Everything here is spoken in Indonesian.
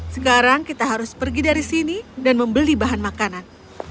sekarang kita harus pergi dari sini dan membeli bahan makanan